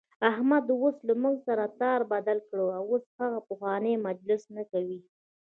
احمد اوس له موږ سره تار بدل کړی، اوس هغه پخوانی مجلس نه کوي.